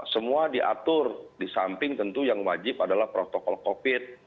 semua diatur di samping tentu yang wajib adalah protokol covid